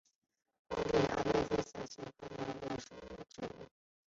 荒地阿魏为伞形科阿魏属的植物。